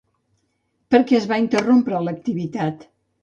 Per què es va interrompre l'activitat?